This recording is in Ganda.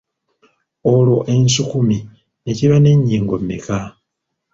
Olwo ensukumi ne kiba n’ennyingo mmeka?